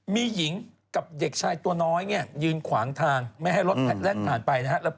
มีหญิงกับเด็กชายตัวน้อยเนี่ยยืนขวางทางไม่ให้รถแล่นผ่านไปนะครับ